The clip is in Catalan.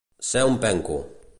Ser un penco.